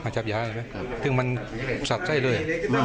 ดีนะมันชัดเลย